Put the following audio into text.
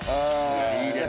いいですね。